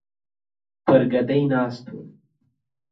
پر ګدۍ ناست ول.